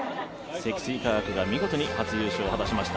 積水化学が見事に初優勝を果たしました。